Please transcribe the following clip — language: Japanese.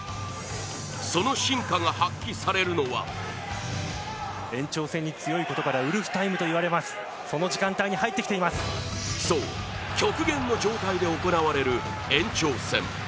その真価が発揮されるのはそう、極限の状態で行われる延長戦。